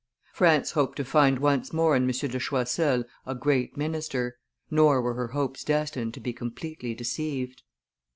France hoped to find once more in M. de Choiseul a great minister; nor were her hopes destined to be completely deceived.